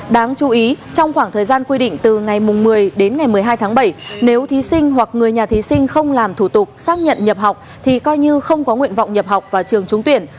đáng chú ý trong khoảng thời gian quy định từ ngày một mươi đến ngày một mươi hai tháng bảy nếu thí sinh hoặc người nhà thí sinh không làm thủ tục xác nhận nhập học thì coi như không có nguyện vọng nhập học vào trường trúng tuyển